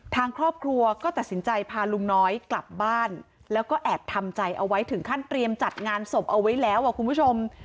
ทางครอบครัวก็ตัดสินใจพาลุงน้อยกลับบ้านแล้วก็แอบทำใจเอาไว้ถึงขั้นเตรียมจัดงานศพเอาไว้แล้วอ่ะคุณผู้ชม